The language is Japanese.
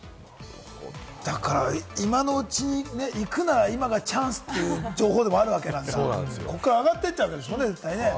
今のうちに行くなら今がチャンスっていう情報でもあるわけだから、ここから上がってっちゃうからね、絶対に。